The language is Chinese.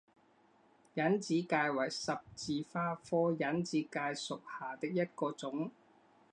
隐子芥为十字花科隐子芥属下的一个种。